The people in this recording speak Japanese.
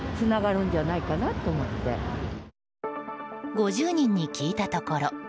５０人に聞いたところ